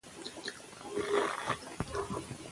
د مطالعې عادت د وخت د مدیریت او نظم زده کولو غوره لاره ده.